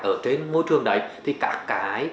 ở trên môi trường đấy thì các cái